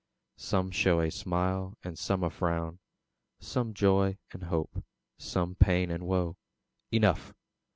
Some show a smile and some a frown; Some joy and hope, some pain and woe: Enough!